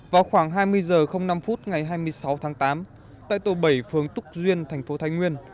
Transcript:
vào khoảng hai mươi h năm ngày hai mươi sáu tháng tám tại tổ bảy phường túc duyên thành phố thái nguyên